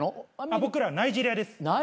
僕らナイジェリアです。